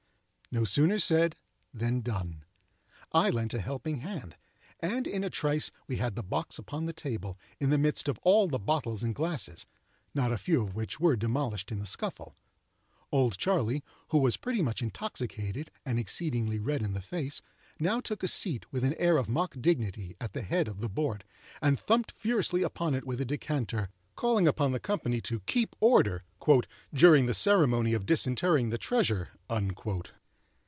No sooner said than done. I lent a helping hand; and, in a trice we had the box upon the table, in the midst of all the bottles and glasses, not a few of which were demolished in the scuffle. "Old Charley," who was pretty much intoxicated, and excessively red in the face, now took a seat, with an air of mock dignity, at the head of the board, and thumped furiously upon it with a decanter, calling upon the company to keep order "during the ceremony of disinterring the treasure."